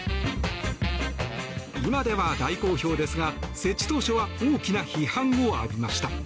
今では、大好評ですが設置当初は大きな批判を浴びました。